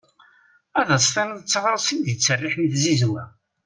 Ad as-tiniḍ d taɣrast i d-itt-serriḥen i tzizwa.